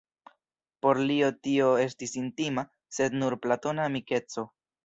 Por li tio estis intima, sed nur platona amikeco.